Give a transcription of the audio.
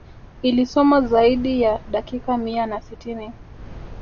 Ilisomwa zaidi ya dakika mia na sitini